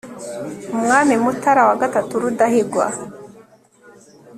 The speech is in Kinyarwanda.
umwami mutara iii rudahigwa